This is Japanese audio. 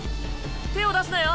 手を出すなよ